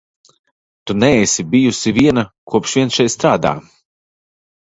Tu neesi bijusi viena, kopš vien šeit strādā.